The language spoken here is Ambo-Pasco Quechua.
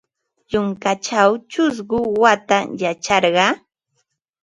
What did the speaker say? Yunkaćhaw ćhusku watam yacharqa.